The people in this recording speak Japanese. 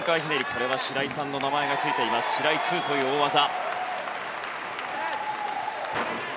これは白井さんの名前がついているシライ２という大技。